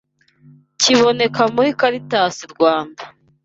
Kiboneka muri Caritas Rwanda